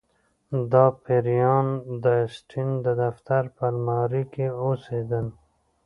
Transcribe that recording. دا پیریان د اسټین د دفتر په المارۍ کې اوسیدل